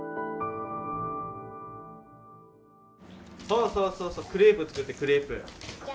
そうそうそうそうクレープ作ってクレープ。